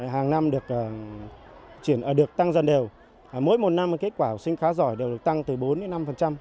hàng năm được tăng dần đều mỗi một năm kết quả học sinh khá giỏi đều được tăng từ bốn đến năm